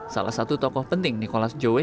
salah satu tokoh penting nicholas jowe